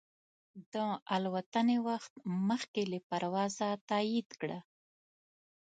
د الوتنې وخت مخکې له پروازه تایید کړه.